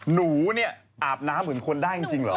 หนูนี่อาบน้ำถึงคนได้จริงหรอ